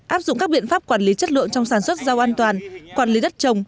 áp dụng các biện pháp quản lý chất lượng trong sản xuất rau an toàn quản lý đất trồng